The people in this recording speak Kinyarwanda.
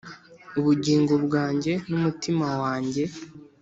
ubugingo bwanjye n'umutima wanjye,